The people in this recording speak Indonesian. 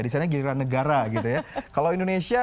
di sana giliran negara gitu ya kalau indonesia